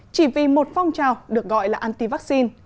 chỉ vì một phong trào được gọi là anti vắc xin